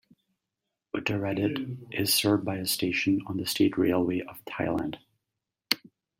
Uttaradit is served by a station on the State Railway of Thailand.